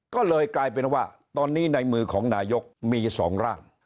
ก็เลยกลายเป็นว่าตอนนี้ในมือของนายกรัฐมนตรีมีสองร่าง